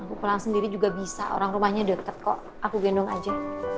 aku pulang sendiri juga bisa orang rumahnya deket kok aku gendong aja